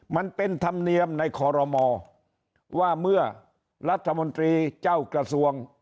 มันเป็นธรรมเนียมในคอรมอว่าเมื่อรัฐมนตรีเจ้ากระทรวง